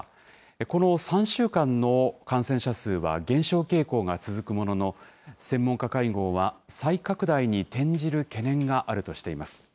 この３週間の感染者数は減少傾向が続くものの、専門家会合は、再拡大に転じる懸念があるとしています。